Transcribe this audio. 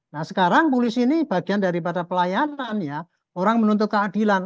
nah sekarang polisi ini bagian daripada pelayanan ya orang menuntut keadilan